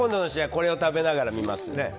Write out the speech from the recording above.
これを食べながら見ます。